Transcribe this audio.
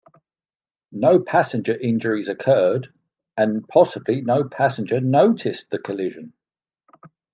No passenger injuries occurred, and possibly no passenger noticed the collision.